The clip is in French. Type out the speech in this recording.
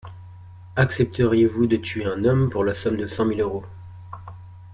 Accepteriez-vous de tuer un homme pour la somme de cent mille euros